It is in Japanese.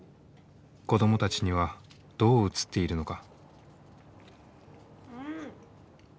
子供たちにはどう映っているのか？